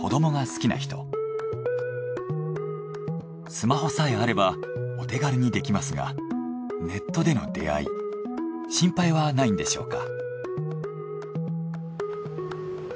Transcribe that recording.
スマホさえあればお手軽にできますがネットでの出会い心配はないんでしょうか？